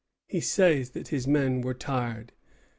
He says that his men were tired.